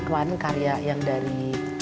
kemarin karya yang dari